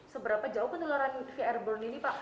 seberapa jauh penularan v airborne ini pak